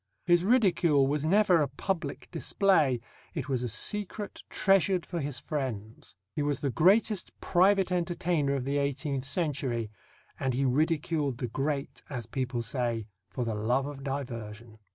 His ridicule was never a public display; it was a secret treasured for his friends. He was the greatest private entertainer of the eighteenth century, and he ridiculed the great, as people say, for the love of diversion.